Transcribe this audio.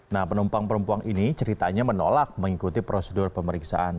nah penumpang perempuan ini ceritanya menolak mengikuti prosedur pemeriksaan